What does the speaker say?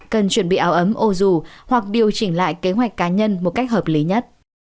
cần chuẩn bị áo ấm ô dù hoặc điều chỉnh lại kế hoạch cá nhân một cách hợp lý nhất